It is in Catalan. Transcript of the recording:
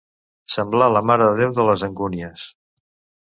Semblar la Mare de Déu de les Angúnies.